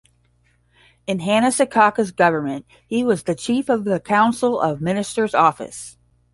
In Hanna Suchocka's government, he was the chief of the Council of Ministers office.